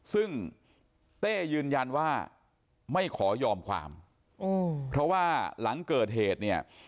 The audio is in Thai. ซึ่งเต้ยืนยันว่าไม่ขอยอมความเพราะว่าหลังเกิดเหตุเนี่ย